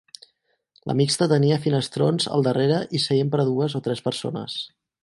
La mixta tenia finestrons al darrere i seient per a dues o tres persones.